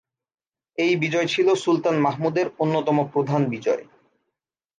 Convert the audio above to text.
এই বিজয় ছিল সুলতান মাহমুদের অন্যতম প্রধান বিজয়।